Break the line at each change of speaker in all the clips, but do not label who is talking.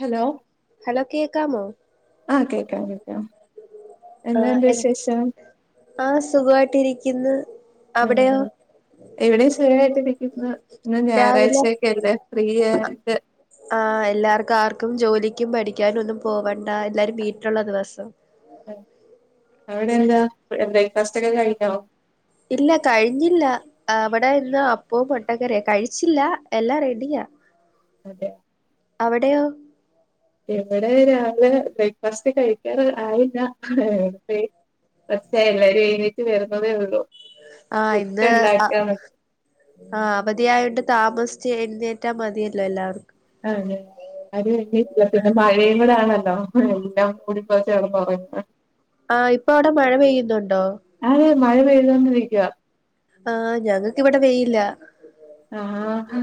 Hello
hello കേക്കാമോ
ആഹ് കേക്കാം കേക്കാം
ആഹ്
എന്തുണ്ട്
എഹ്
വിശേഷം
ആഹ് സുഖവായിട്ടിരിക്കുന്ന്
ഉം ഇവിടെയും സുഖായിട്ടിരിക്കുന്നു ഇന്ന്
രാവിലെ
ഞായറാഴ്ചയൊക്കല്ലേ ഫ്രീ ആയിട്ട്
ആഹ് എല്ലാർക്കും ആർക്കും ജോലിക്കും പഠിക്കാനും ഒന്നും പോവണ്ട എല്ലാരും വീട്ടിലുള്ള ദിവസം
അവിടെ എന്താ ബ്രേക്ക്ഫാസ്റ്റ് ഒക്കെ കഴിഞ്ഞൊ?
ഇല്ല കഴിഞ്ഞില്ല. ആഹ് വടെ ഇന്ന് അപ്പവും മുട്ടക്കറിയാ കഴിച്ചില്ല എല്ലാം റെഡിയാ
അതെ
അവിടെയോ?
ഇവിടെ രാവിലെ ബ്രേക്ക്ഫാസ്റ്റ് കഴിക്കാറ് ആയില്ല ന്തെ [unintelligible] എല്ലാരും എഴുന്നേറ്റ് വരുന്നതേ ഉള്ളൂ
ആഹ്
പുട്ട്
ഇന്ന് ആഹ്
ഉണ്ടാക്കാണ്
ആഹ് അവധിയായോണ്ട് താമസിച്ച് എഴുന്നേറ്റാ മതിയല്ലോ എല്ലാവർക്കും
ആതെ ആരും എഴുന്നേറ്റില്ല പിന്നെ മഴ യുംകൂടെ ആണല്ലോ എല്ലാം മൂടി പൊതച്ച് കടന്നുറങ്ങാ
ആഹ് ഇപ്പൊ അവിടെ മഴ പെയ്യുന്നുണ്ടോ
ആടെ മഴ പെയ്തോണ്ടിരിക്ക്വാ
ആഹ് ഞങ്ങക്ക് ഇവിടെ വെയിലാ
ആഹ്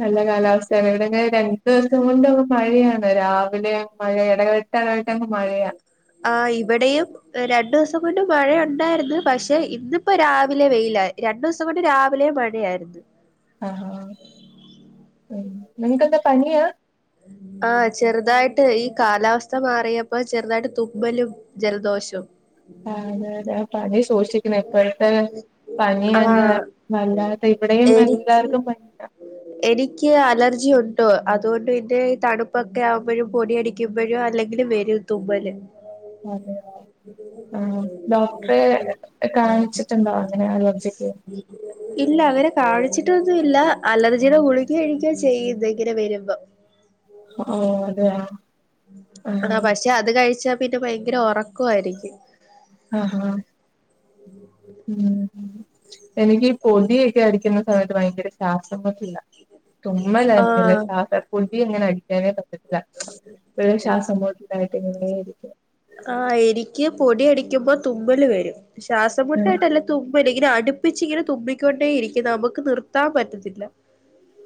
നല്ല കാലാവസ്ഥയാണ് ഇവിടെക്കെ രണ്ടു ദിവസം കൊണ്ട് അങ്ങ് മഴയാണ് രാവിലെ മഴ ഇടവി ട്ടിടവിട്ടാങ്ങ് മഴയാ
ആഹ് ഇവിടെയും രണ്ടു ദിവസം കൊണ്ട് മഴയൊണ്ടായിരുന്നു പക്ഷെ ഇന്നിപ്പോ രാവിലെ വെയിലായി രണ്ടു ദിവസം ദിവസം കൊണ്ട് രാവിലെ മഴയായിരുന്ന്
ആഹ് ആഹ് ഉം നിങ്ങക്കെന്താ പനിയാ?
ആഹ് ചെറുതായിട്ട് ഈ കാലാവസ്ഥ മാറിയപ്പോ ചെറുതായിട്ട് തുമ്മലും ജലദോഷവും
ആഹ് അതെ അതെ ആ പനി സൂക്ഷിക്കണെ ഇപ്പോഴത്തെ പനിയങ്
ആഹ്
വല്ലാതെ ഇവിടെയും
എനിക്ക്
എല്ലാർക്കും പനിയ
എനിക്ക് അലർജിയുണ്ട് അതുകൊണ്ട് പി ന്നെ ഈ തണുപ്പൊക്കെ ആവുമ്പഴും പൊടിയടിക്കുമ്പഴും അല്ലെങ്കിലും വരും തുമ്മല്
അതെയോ ആഹ് ഡോക്ടറെ കാണിച്ചിട്ടുണ്ടോ അങ്ങനെ അലർജിക്ക്?
ഇല്ല ഇത് വരെ കാണിച്ചിട്ടൊന്നും ഇല്ല അലർജീടെ ഗുളിക കഴിക്കാ ചെയ്യുന്നേ ഇങ്ങനെ വരുമ്പം
ഓഹ് അതെയോ?
ആഹ് പക്ഷെ അത് കഴിച്ചാ പിന്നെ ഭയങ്കര ഒറക്കവായിരിക്കും
ആഹ് ഹാ ഉം എനിക്ക് ഈ പൊടിയൊക്കെ അടിക്കുന്ന സമയത്ത് ഭയങ്കര ശ്വാസം മുട്ടല തുമല്ലല്ല
ആഹ്
സാധാ പൊടിയങ്ങനെ അടിക്കാനേ പറ്റത്തില്ല ല്ല വേം ശ്വാസം മുട്ടായിട്ടങ്ങനെ ഇരിക്കും
ആ എനിക്ക് പൊടിയടിക്കുമ്പോ തുമ്മല് വരും
ഉം
ശ്വാസംമുട്ടായിട്ടല്ല തുമ്മല് ഇങ്ങനെ അടുപ്പിച്ചിങ്ങനെ തുമ്മി ക്കൊണ്ടേയിരിക്കും നമുക്ക് നിർത്താൻ പറ്റത്തില്ല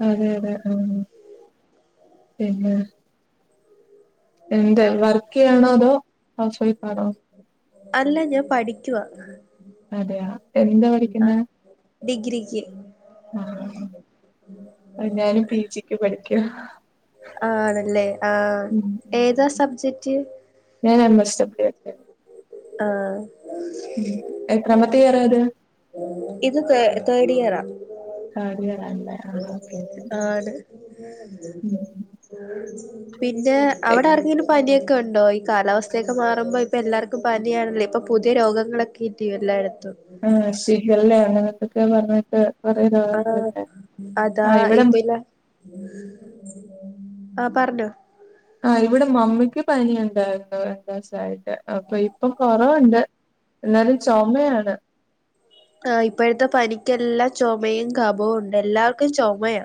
അതെ അതെ ആഹ് പിന്നെ? എന്താ വർക്ക് ചെയ്യാണോ? അതോ ഹൗസ് വൈഫാണോ?
അല്ല ഞാൻ പഠിക്കുവാ
അതെയാ എന്താ പഠിക്കുന്നേ?
ആഹ്
ആഹ്
[inaudible]
ഞാനും പി ജി ക്ക് പഠിക്കാ
ആണല്ലേ? ആഹ് ഏതാ സബ്ജക്റ്റ്?
ഞാൻ എം. എസ് [unintelligible]
ആഹ്
ഉം എത്രമത്തെ ഇയറാ ഇത്?
ഇത് തേഡിയറാ
തേഡിയറാല്ലേ? ആഹ് ഹാ
ആണ്
ഉം
പിന്നെ അവിടാർക്കെങ്കിലും പനിയൊക്കെയുണ്ടോ? കാലാവസ്ഥയൊക്കെ മാറുമ്പോ ഇപ്പൊ എല്ലാർക്കും പനിയാണല്ലോ ഇപ്പൊ പുതിയ രോഗങ്ങളൊക്കെ ഇല്ലയോ എല്ലായിടത്തും
ആഹ് ശീഖല്ലേ അങ്ങനെ എന്തൊക്കെ പറഞ് കേട്ട്
ആണോ? അതാ
ഇവിടെ
ഇപ്പയില്ല ആഹ് പറഞ്ഞോ
ആഹ് ഇവിടെ മമ്മിക്ക് പനിയുണ്ടായിരുന്നു രണ്ടൂസായിട്ട് അപ്പൊ ഇപ്പൊ കൊറവുണ്ട് എന്നാലും ചൊമയാണ്
ആഹ് ഇപ്പഴത്തെ പനിക്കെല്ലാ ചൊമയും കപവുംണ്ട് എല്ലാവർക്കും ചുമയാ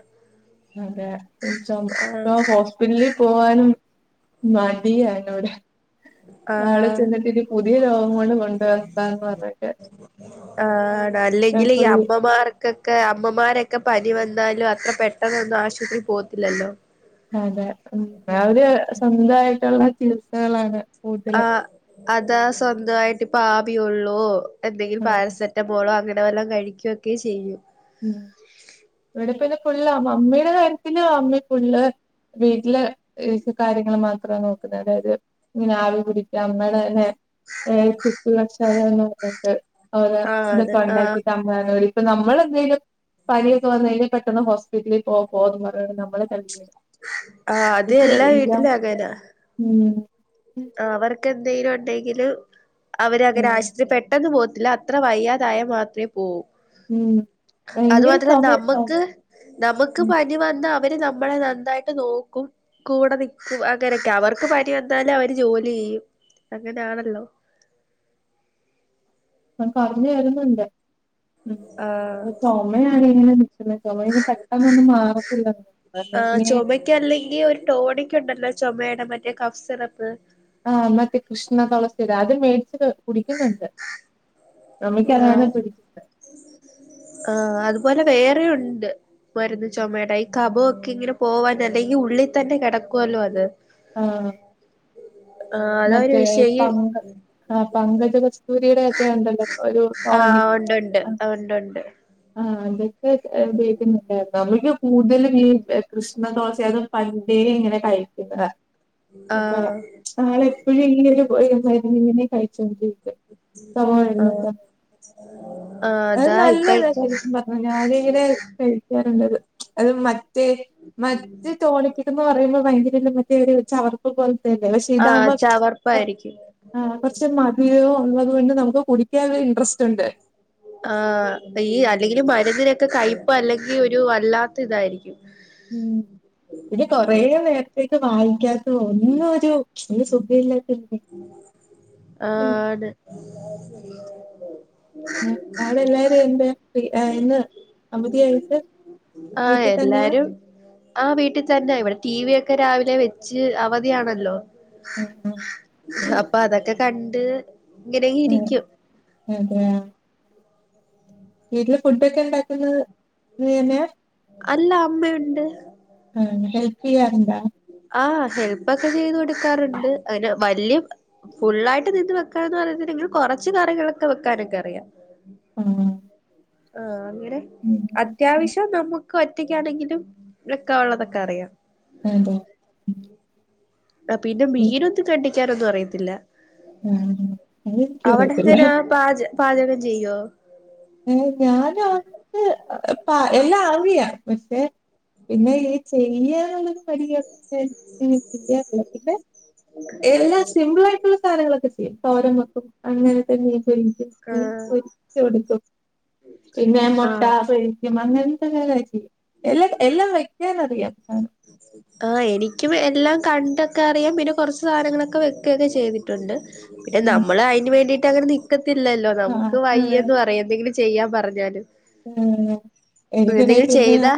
അതെ ചൊമ ചൊമ പോവ ബില്ലി പോവാനും മടിയാ അതിനോട് അവിടെ
ആഹ്
ചെന്നിട്ട് ഇനി പുതിയ രോഗം കൂടെ കൊണ്ടുവരണ്ടാന്ന് പറഞ്ഞിട്ട്
ആഹ്
ഞാൻ
അല്ലെങ്കിൽ ഈ
ഫുൾ
അമ്മമാർ കൊക്കെ അമ്മമാരൊക്കെ പനി വന്നാലും അത്ര പെട്ടെന്നൊന്നും ആശുപത്രിയിൽ പോകത്തില്ലല്ലോ
അതെ ഉം അവര് സ്വന്തായിട്ടുള്ള ചികിത്സകളാണ് കൂടുതലും
ആഹ് അതാ സ്വന്തായിട്ട് ഇപ്പ ആവി കൊള്ളൂ എന്തെങ്കിലും
ആഹ്
പാരസെ റ്റമോളോ അങ്ങനെ വല്ലം കഴിക്കുക്കെ ചെയ്യും
ഉം ഇവിടെ പിന്നെ ഫുള്ളാ മമ്മിയുടെ കാര്യത്തില് മമ്മി ഫുള്ള് വീട്ടിലെ കാര്യങ്ങൾ മാത്രാ നോക്കുന്നത് അതായത് ഇങ്ങനെ ആവി പിടിക്ക [unintelligible] ഏഹ് ചുക്ക് കഷായന്ന് പറഞ്ഞിട്ട് അങ്ങനെ
ആഹ് അതെ
ഇതൊക്കെ
ആഹ്
ഉണ്ടാക്കിട്ട് അമ്മ [unintelligible] നമ്മള് എന്തേങ്കിലും പനിയൊക്കെ വന്ന് കഴിഞ്ഞാ പെട്ടെന്ന് ഹോസ്പിറ്റലിൽ പോ പോ എന്ന് പറഞ്ഞു കൊണ്ട് നമ്മളെ [unintelligible]
ആഹ് അത് എല്ലാ
[unintelligible]
വീട്ടിലും
ഉം
ആഹ് അവർക്ക് എന്തെങ്കിലും ഉണ്ടെങ്കില് അവരങ്ങനെ
ആഹ്
ആശുപത്രിപ്പെട്ട പെട്ടെന്ന് പോവത്തില്ല അത്ര വയ്യാതായ മാത്രേ പോവൂ
ഉം ഭയങ്കര
അതുമാത്രല്ല
ചുമയാട്ടോ
നമ്മുക്ക് നമ്മുക്ക്
ഉം
പനി വന്ന അവര് നമ്മളെ ന നന്നായിട്ട് നോക്കും കൂടെ നിൽക്കും അങ്ങനെക്കെ അവർക്ക് പനി വന്നാൽ അവര് ജോലി ചെയ്യും അങ്ങനെയാണല്ലോ
ഇപ്പം കുറഞ്ഞ് വരുന്നുണ്ട് ഉം
ആഹ്
ചുമയാണ് ഇങ്ങനെ പിന്നെ ചുമ ഇനി പെട്ടെന്നൊന്നും മാറത്തില്ല [unintelligible]
[unintelligible] അല്ലെങ്കിൽ ഒരു ടോണിക്കുണ്ടല്ലോ ചുമയുടെ മറ്റേ കഫ്സിറപ്പ്
ആഹ് മറ്റേ കൃഷ്ണ തുളസിയുടെ അത് മേടിച്ച് കുടിക്കുന്നുണ്ട്
ആഹ്
[unintelligible]
ആഹ് അതുപോലെ വേറെ ഉണ്ട് മരുന്ന് ചുമയുടെ ഈ കഫൊക്കെ ഇങ്ങനെ പോവാൻ അല്ലെങ്കിൽ ഉള്ളിൽ തന്നെ കിടക്കുവല്ലോ അത്
ആഹ്
ആഹ് അതവര് വിഷയി
[unintelligible] ആഹ് പങ്കജകസ്തൂരിയുടെ ഒക്കെ ഉണ്ടല്ലോ ഒരു ടോണിക്ക്
ആഹ് ഉണ്ട് ഉണ്ട്
ആഹ് അതൊക്കെ ഉപയോഗിക്കുന്നുണ്ട് നമ്മുക്ക് കൂടുതലും ഈ കൃഷ്ണതുളസി അത് പണ്ടേ ഇങ്ങനെ കഴിക്കുന്നതാ അപ്പ
ആഹ്
ആളെപ്പോഴും ഈ ഒരു മരുന്ന് ഇങ്ങനെ കഴിച്ചോണ്ടിരിക്ക
ആഹ് ആഹ് അതാ
നല്ലതാ
ഇപ്പോഴക്കെ
[unintelligible] ഞാന് ഇങ്ങനെ കഴിക്കാറുണ്ട് അത് അത് മറ്റേ മറ്റ് ടോണിക്കും പറയുമ്പോ ഭയങ്കര മറ്റേ ഒര് ചവർപ്പ് പോലത്തെ പക്ഷേ
ആ
ഇതാവുമ്പം
ചവർപ്പായിരിക്കും
ആഹ് കുറച്ച് മധുരോ ഉള്ളത് കൊണ്ട് നമ്മുക്ക് കുടിക്കാൻ ഒരു ഇൻട്രസ്റ്റ് ഉണ്ട്
ആഹ് ഈ അല്ലെങ്കിൽ മരുന്നിനൊക്കെ കയ്പ അല്ലെങ്കിൽ ഒരു വല്ലാത്ത ഇതായിരിക്കും
ഉം പിന്നെ കുറേ നേരത്തേക്ക് വാങ്ങിക്കാൻ ഒന്നും ഒരു സുഖയില്ലാത്തോണ്ടേ [unintelligible]
ആ
അവിടെ എല്ലാരും എന്തേ ഇന്ന് അവധിയായിട്ട്
ആഹ്
വീട്ടിൽ തന്നെ
എല്ലാരും ആഹ് വീട്ടിൽ തന്നെ ഇവിടെ ടി വി ഒക്കെ രാവിലെ വെച്ച് അവധിയാണല്ലോ
ആ,
അപ്പൊ അതൊക്കെ കണ്ട് ഇങ്ങനെയങ്ങ് ഇരിക്കും
അതെയാ വീട്ടില് ഫുഡൊക്കെ ഉണ്ടാക്കുന്നത് നീ തന്നെയാ
അല്ല അമ്മയുണ്ട്
മ് ഹെൽപ്പ്‌ ചെയ്യാറണ്ടാ
ആഹ് ഹെൽപ്പൊക്കെ ചെയ്ത് കൊടുക്കാറുണ്ട് അന വല്യ ഫുള്ളായിട്ട് നിന്ന് വെക്കനൊന്നും അറിയത്തില്ലെങ്കിലും കൊറച്ച് കറികളൊക്കെ വെക്കാനൊക്കെ അറിയാം
ആ,
ആഹ് അങ്ങനെ
ഉം,
അത്യാവശ്യം നമു ക്കൊറ്റയ്ക്കാണെങ്കിലും വെക്കാവൊള്ളതൊക്കെ അറിയാം
അതെ
ആ പിന്നെ
ഉം,
മീനൊന്നും കണ്ടിക്കാനൊന്നും അറിയത്തില്ല
മ് അതെനിക്കും അറിയത്തില്ല
പാച് പാചകം ചെയ്യോ
ഏ ഞാനോ എല്ലാം ആറിയാം പക്ഷെ പിന്നെ ഈ ചെയ്യനുള്ളര് മടിയാ ചെയ്യാ അറിയാം പിന്നെ എല്ലാം സിമ്പിൾ ആയിട്ടുള്ള സധനങ്ങളൊക്കെ ചെയ്യും തോരം വെക്കും അങ്ങനെത്തെന്നെ മീൻ പൊരിക്കും മീൻ
ആഹ്
പൊരിച്ച് കൊടുക്കും പിന്നെ മുട്ട
ആഹ്
പൊരിക്കും അങ്ങനെത്തെ എല്ലാം ചെയ്യും എല്ല എല്ലാം വെക്കാനറിയാം അതാണ്
[unintelligible] ആ എനിക്കും എല്ലാം കണ്ടൊക്കെ അറിയാം പിന്നെ കൊറച്ച് സാധനങ്ങളൊക്കെ വെക്കൊക്കെ ചെയ്തിട്ടുണ്ട് പിന്നെ
ഉം,
നമ്മള് അതിന് വേണ്ടിയിട്ട് അങ്ങനെ നിക്കത്തില്ലല്ലോ
ആ,
നമുക്ക് വയ്യ
അതെ,
എന്ന് പറയാ എന്തെങ്കിലും ചെയ്യാൻ പറഞ്ഞാലും
ഏഹ്, എനിക്കണേ
എന്തെങ്കിലും
പിന്നെ
ചെയ്താ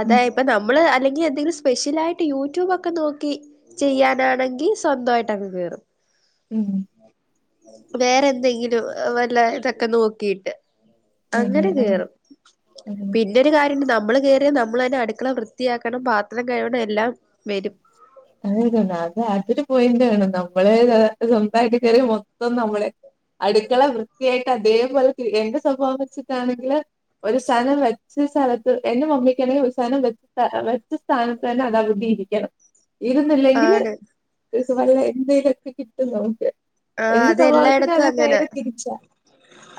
അത
ഉം,
നമ്മള് അല്ലെങ്കിൽ എന്തെങ്കിലും സ്പെഷ്യല ആയിട്ട് യൂട്യൂബ് ഒക്കെ നോക്കി ചെയ്യാനാണെങ്കി സ്വന്തമായിട്ട് അങ്ങ് കേറും
ഉം
വേറെ എന്തെങ്കിലും വല്ല ഇതൊക്കെ നോക്കിയിട്ട്
അതെ,
അങ്ങനെ
ആ, അതെ.
കേറും പിന്നെ പിന്നൊരു കാര്യംണ്ട് നമ്മള് കയറിയ നമ്മൾ തന്നെ അടുക്കള വൃത്തിയാക്കണം പാത്രം കഴുവണം എല്ലാം വരും
അതത് തന്നെ അത് അതൊരു പോയിന്റാണ് നമ്മള് സ്വന്തയിട്ട് കയറി മൊത്തം നമ്മളെ അടുക്കള വൃത്തിയായിട്ട് അതേപോലെ എന്റെ സ്വഭാവം വെച്ചിട്ടാണെങ്കില് ഒരു സാനം വെച്ച സ്ഥലത്ത് എന്റെ മമ്മിക്ക്ണെങ്കിൽ ഒരു സാനം വ വച്ച സ സ്ഥാനത്ത്ന്നെ അത് അവിടിരിക്കണം. ഇരുന്നില്ലെങ്കില്
ആണ്
ഇത് വല്ല എന്തേലൊക്കെ കിട്ടും നമുക്ക്.
ആ
എന്റെ സ്വഭാവത്തിന് അത് നേരെ തിരിച്ചാ.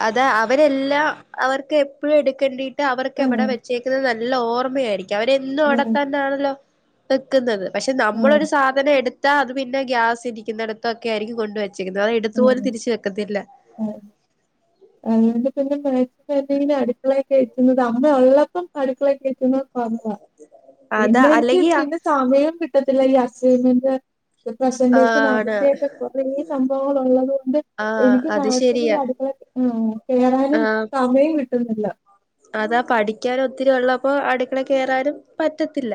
അതാ അവരെല്ലാം അവർക്ക് എപ്പോഴും എടുക്കെണ്ടിട്ട് അവർക്ക്
ഉം,
എവിടെ വെ ചേക്കുന്നത് നല്ല ഓർമ്മയായിരിക്കും അവരെ ന്നും
ഉം,
അവിടെത്തന്നാണല്ലോ വെക്കുന്നത് പക്ഷെ
ഉം,
നമ്മളൊരു സാധനം എടുത്താ അത് പിന്നെ ഗ്യാസ് ഇരിക്കുന്നിടത്തക്കെ ആയിരിക്കും കൊണ്ടുവെ ചേക്കുന്നവ എടുത്തു പോലും
ഉം,
തിരിച്ച് എടുത്ത് വെക്കത്തില്ല.
അതുകൊണ്ട് പിന്നെ മാക്സിമം എന്തെങ്കിലും അടു ക്കളെ കയറ്റുന്നത് അമ്മ ഉള്ളപ്പം അടുക്കളെ കയറ്റുന്നത് കൊറവ
അതാ
പിന്നെ എനിക്ക്
അല്ലെങ്കിൽ
പിന്നെ സമയം കിട്ടത്തില്ല ഈ അസ്സൈൻമെന്റ് പ്രസന്റേഷൻ
ആണ്
അതിന്റെക്കെ കൊറേ സംഭവങ്ങൾ ഉള്ളത് കൊണ്ട്
ആഹ്
എനിക്ക്
അത്
മാക്സിമ
ശെരിയാ
ഈ അടുകളെ കേറാനും
ആഹ്
സമയം കിട്ടുന്നില്ല.
അതാ പഠിക്കാൻ ഒത്തിരി ഉള്ളപ്പോ അടുക്കളെ കയറാനും പറ്റത്തില്ല.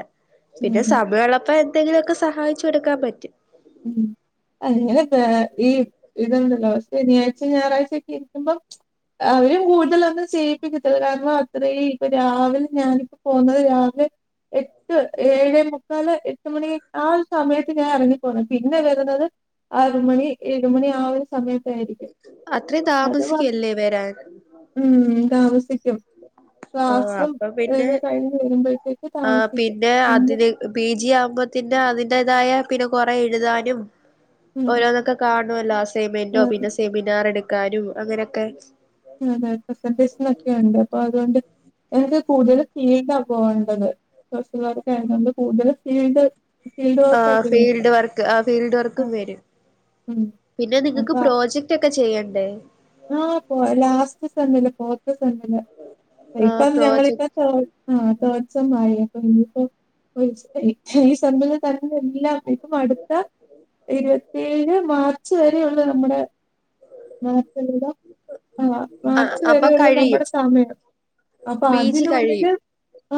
ഉം,
പിന്നെ സമയംളപ്പ എന്തെങ്കിലുക്കെ സഹായിച്ചുടുക്കാൻ പറ്റും.
ഉം അങ്ങനെ കേ ഈ ഇതെണ്ടല്ലോ ശനിയാഴ്ച ഞായറാഴ്ചയക്കെ ഇരിക്കുമ്പോ അവരും കൂടുതലൊന്നും ചെയ്യിപ്പിക്കത്തില്ല കാരണം അത്രയും ഇപ്പൊ രാവിലെ ഞാനിപ്പോ പോകുന്നത് രാവിലെ എട്ട് ഏഴേ മുക്കാല് എട്ട് മണി ആ ഒരു സമയത്ത് ഞാൻ ഇറങ്ങി പിന്നെ വര്ന്നത് ആർ മണി ഏഴ് മണി ആ ഒരു സമയ
അത്രം താമസിക്കല്ലേ വരാൻ?
ഉം താമസിക്ക്യും.
ആഹ് അപ്പൊ പിന്നെ
ക്ലാസ്സംക്കെ കഴിഞ്ഞ് വരുമ്പോഴത്തേക്ക്
ആഹ്
താമസിക്കും പിന്നെ
അതിന് പി ജി ആവുമ്പോത്തിന്നെ അതിന്റേതായ പിന്നെ കൊറെ എഴ്താനും
ആഹ്
ഓരോന്നൊക്കെ കാണോല്ലോ അസൈൻമെന്റോ
അതെ
പിന്നെ സെമിനാർ എട്ക്കാനും അങ്ങനെയൊക്കെ
അതെ പ്രസന്റേഷനോക്കെണ്ട് അപ്പൊ അതോണ്ട് എനിക്ക് കൂടുതൽ ഫീൽടാ പോവണ്ടത് സോഷ്യൽ വർക്കയതൊണ്ട് കൂടുതൽ ഫീൽട്
ആഹ് ഫീൽഡ് വർക്ക് ആഹ് ഫീൽഡ് വർക്കും
ആഹ്
വരും
ഉം
പിന്നെ നിങ്ങൾക്ക്
അപ്പൊ
പ്രോജ ക്ടൊക്കെ ചെയ്യണ്ടേ?
ആഹ് പോ ലാസ്റ്റ് സെമില് ഫോർത്ത് സെമില്
ആഹ്
ഇപ്പം ഞങ്ങളിപ്പ
പ്രോജക്ട്
ആഹ് തേർഡ് സെമ്മായി പ്പോ ഇനിയിപ്പോ ഒരു ഈ സെമ്മിൽ ത എല്ലാം ഇപ്പം അട്ത്ത ഇരുപത്തേഴ് മാർച്ച് വരെ ഒള്ളൂ നമ്മുടെ മാ [unintelligible] ആഹ്.
ആ
മാർച്ച്
അപ്പൊ
വരെയൊള്ളൂ
കഴിയും
നമ്മടെ സമയം അപ്പൊ
പി ജി കഴിയും
അതിനുള്ളില്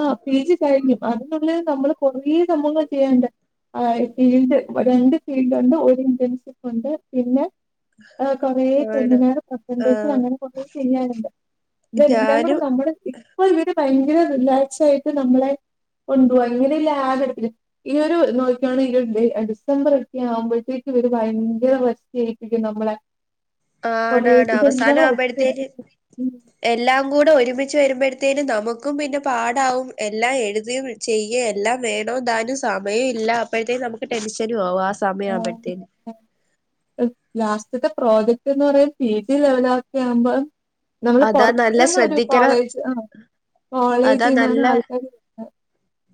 ആഹ് പി ജി കഴിഞ്ഞു അതിനുള്ളി നമ്മള് കൊറേ സംഭവങ്ങള് ചെയ്യണ്ടേ? ആഹ് ഫീൽഡ് രണ്ട് ഫീൽഡ്ണ്ട് ഒരു ഇന്റേൺഷിപ്പ് ഉണ്ട് പിന്നെ ആഹ് കൊറേ
ആണ്
സെമിനാറ് പ്രസന്റേഷൻ
ആഹ്
അങ്ങനെ കുറേ ചെയാന്ണ്ട് ഇതെല്ലാം കൂടെ
ഞാനും
നമ്മുടെ ഇപ്പൊ ഇവര് ഭയങ്കര റിലാക്സ് ആയിട്ട് നമ്മളെ കൊണ്ടുപോവാ ഇങ്ങനെ ലാഗട്പി ഈ ഒരു നോക്കാണെങ്ക ഡിസംബർ ഒക്കെ ആവുമ്പോഴത്തേക്ക് ഇവര് ഭയങ്കര [unintelligible] നമ്മളെ. കുറേ
ആണാണ്
ഇതെല്ലാം
അവസാനം
കൂടെ ഒറ്റയടിക്ക്
ആവുമ്പഴത്തേക്ക്
ചെയ്യും.
എല്ലാം കൂടെ ഒരുമിച്ച് വരുമ്പോഴേത്തിന്‌ നമുക്കും പിന്നെ പാടാവും എല്ലാം എഴുതിയും ചെയ്യ എല്ലാം വേണദാനും സമയും ഇല്ല അപ്പോഴ്ത്തേനും നമുക്ക് ടെൻഷനും ആവും ആ സ
ആഹ്. ലാസ്റ്റ്ത്തെ പ്രോജക്ട്ന്ന് പറയ പി ജി ലെവലൊക്കെ ആകുമ്പോ നമ്മള്
അതാ നല്ല
പൊർത്ത്ന്ന് ഒരു
ശ്രദ്ധിക്കണം
കോളേജ് ആഹ്
അതാ
കോളേജ്ന്നാണ്
നല്ല
ആൾക്കാര്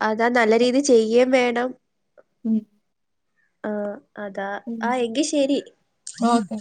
അതാ നല്ല രീതി ചെയേം വേണം.
ഉം
ആഹ് അതാ ആ എങ്കി ശെരി.
ഓക്കെ